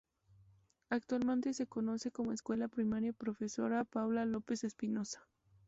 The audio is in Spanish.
Actualmente se conoce como Escuela Primaria Profesora Paula Lopez Espinoza.